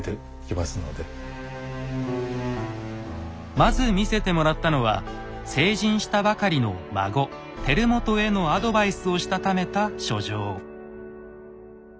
まず見せてもらったのは成人したばかりの孫輝元へのアドバイスをしたためた書状。